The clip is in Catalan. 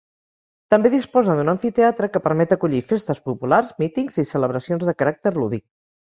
També disposa d'un amfiteatre que permet acollir festes populars, mítings i celebracions de caràcter lúdic.